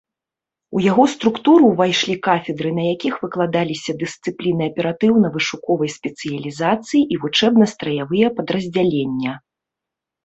У яго структуру ўвайшлі кафедры, на якіх выкладаліся дысцыпліны аператыўна-вышуковай спецыялізацыі, і вучэбна-страявыя падраздзялення.